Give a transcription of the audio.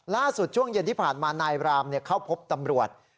ช่วงเย็นที่ผ่านมานายบรามเข้าพบตำรวจ